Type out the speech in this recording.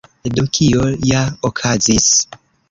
Do, kio ja okazis?